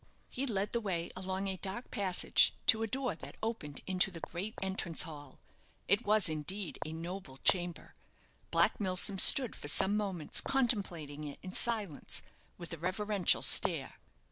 He led the way along a dark passage to a door that opened into the great entrance hall. It was indeed a noble chamber. Black Milsom stood for some moments contemplating it in silence, with a reverential stare.